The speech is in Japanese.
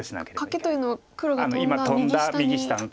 カケというのは黒がトンだ右下に。